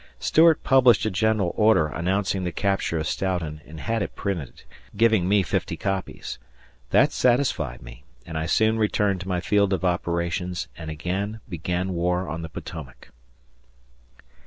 Stuart published a general order announcing the capture of Stoughton and had it printed, giving me fifty copies. That satisfied me, and I soon returned to my field of operations and again began war on the Potomac.